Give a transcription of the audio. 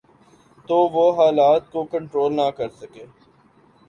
تو وہ حالات کو کنٹرول نہ کر سکیں۔